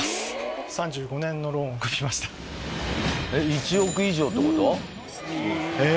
１億以上ってこと？え！？